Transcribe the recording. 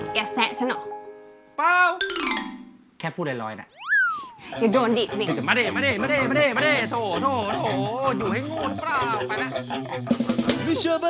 แกแซะฉันเหรอเปล่าแค่พูดไอลอยน่ะอย่าโดนดิมาเดมาเด